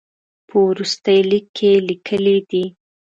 په وروستي لیک کې یې لیکلي دي.